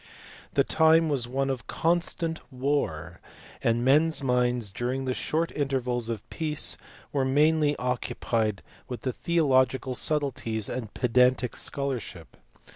The time was one of constant war, and men s minds during the short intervals of peace were mainly occupied with theo logical subtleties and pedantic scholarship.